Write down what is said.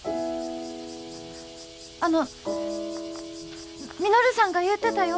あの稔さんが言うてたよ。